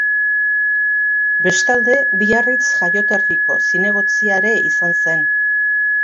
Bestalde, Biarritz jaioterriko zinegotzia ere izan zen.